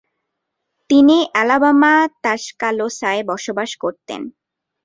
তিনি অ্যালাবামা তাসকালোসায় বসবাস করতেন।